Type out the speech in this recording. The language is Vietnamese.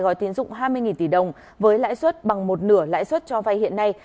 gói tiến dụng hai mươi tỷ đồng với lãi suất bằng một nửa lãi suất cho vay hiện nay